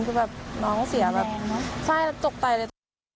คือแบบน้องเสียแบบใช่จกไตเลย